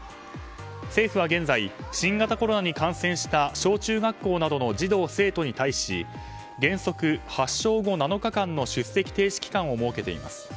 政府は現在新型コロナに感染した小中学校などの児童・生徒に対し原則発症後７日間の出席停止期間を設けています。